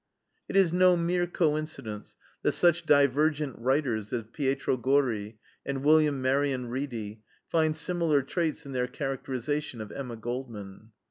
It is no mere coincidence that such divergent writers as Pietro Gori and William Marion Reedy find similar traits in their characterization of Emma Goldman.